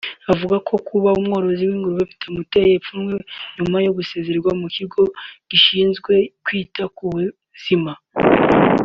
Avuga ko kuba umworozi w’ingurube bitamuteye ipfunwe nyuma yo gusezera mu kigo gishinzwe kwita ku buzima